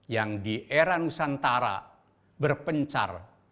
yang di era nusantara berpencar